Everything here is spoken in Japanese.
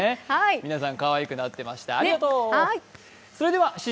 皆さんかわいくなってました。